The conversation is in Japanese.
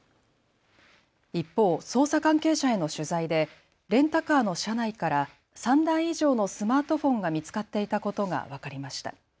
一方、捜査関係者への取材でレンタカーの車内から３台以上のスマートフォンが見つかっていたことが分かりました。